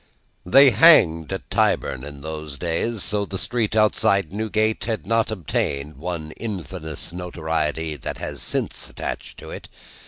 They hanged at Tyburn, in those days, so the street outside Newgate had not obtained one infamous notoriety that has since attached to it.